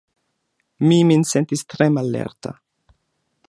Mi min sentis tre mallerta.